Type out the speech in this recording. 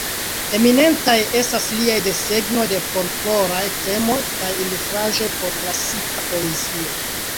Eminentaj estas liaj desegnoj de folkloraj temoj kaj ilustraĵoj por klasika poezio.